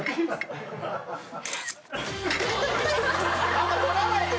あんま撮らないで。